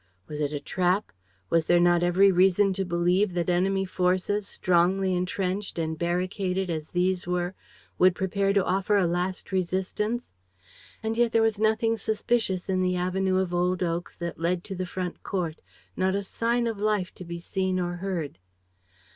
Was it a trap? Was there not every reason to believe that enemy forces, strongly entrenched and barricaded as these were, would prepare to offer a last resistance? And yet there was nothing suspicious in the avenue of old oaks that led to the front court, not a sign of life to be seen or heard.